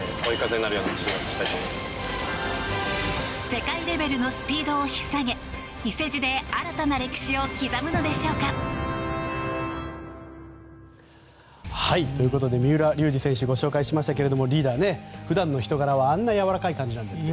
世界レベルのスピードを引っさげ伊勢路で新たな歴史を刻むのでしょうか。ということで三浦龍司選手ご紹介しましたけどリーダー、普段の人柄はあんなやわらかい感じです。